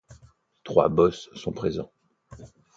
Trois boss sont présents.